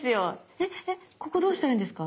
ええここどうしたらいいんですか？